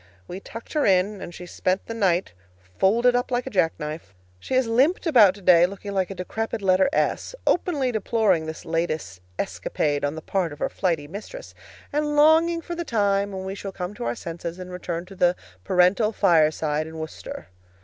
We tucked her in, and she spent the night folded up like a jackknife. She has limped about today, looking like a decrepit letter S, openly deploring this latest escapade on the part of her flighty mistress, and longing for the time when we shall come to our senses, and return to the parental fireside in Worcester.